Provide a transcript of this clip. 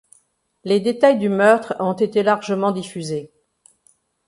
Les détails du meurtre ont été largement diffusés.